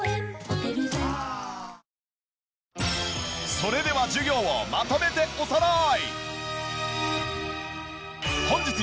それでは授業をまとめておさらい！